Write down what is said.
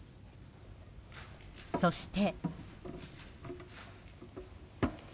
そして。